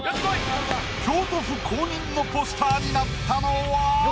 京都府公認のポスターになったのは。